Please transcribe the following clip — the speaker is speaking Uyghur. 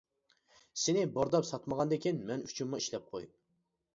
سېنى بورداپ ساتمىغاندىكىن مەن ئۈچۈنمۇ ئىشلەپ قوي.